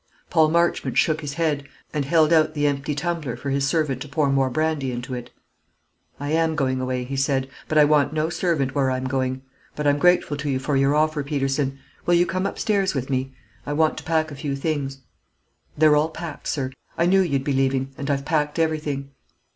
Paul Marchmont shook his head, and held out the empty tumbler for his servant to pour more brandy into it. "I am going away," he said; "but I want no servant where I'm going; but I'm grateful to you for your offer, Peterson. Will you come upstairs with me? I want to pack a few things." "They're all packed, sir. I knew you'd be leaving, and I've packed everything."